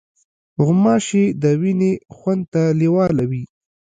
غوماشې د وینې خوند ته لیوالې وي.